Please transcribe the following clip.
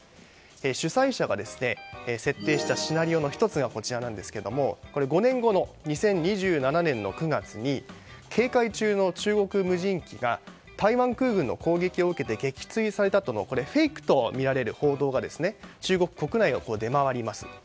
主催者が設定したシナリオの１つがこちらなんですが５年後の２０２７年の９月に警戒中の中国無人機が台湾空軍の攻撃を受けて撃墜されたというフェイクとみられる報道が中国国内で出回ります。